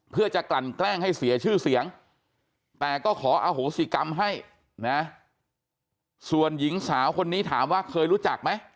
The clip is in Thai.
เพื่อจะกลั่นแกล้งให้เสียชื่อเสียงแต่ก็ขออโหสิกรรมให้นะส่วนหญิงสาวคนนี้ถามว่าเคยรู้จักไหม